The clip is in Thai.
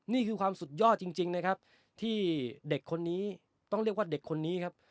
นี่คือความสุดยอดจริงนะครับที่เด็กคนนี้ต้องเรียกว่าเด็กคนนี้ครับ